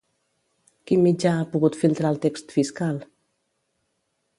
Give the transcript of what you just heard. Quin mitjà ha pogut filtrar el text fiscal?